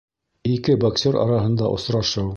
Ике боксер араһында осрашыу